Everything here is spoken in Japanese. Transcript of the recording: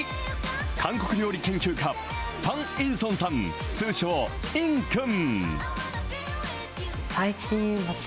韓国料理研究家、ファン・インソンさん、通称、いんくん。